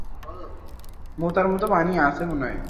কোথায় যাচ্ছো, সাঙ্গেয়া?